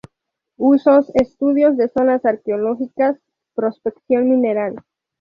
Usos: Estudios de zonas arqueológicas, prospección mineral.